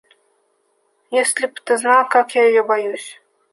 Если б ты знал, как я ее боюсь.